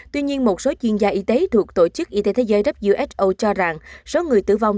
sáu mươi hai tuy nhiên một số chuyên gia y tế thuộc tổ chức y tế thế giới who cho rằng số người tử vong